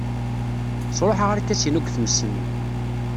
Sṛuḥeɣ arkas-inu deg tmes-nni.